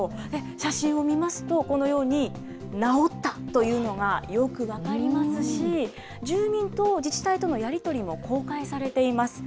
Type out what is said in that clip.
写真を見ますと、このように、直ったというのがよく分かりますし、住民と自治体とのやり取りも公開されています。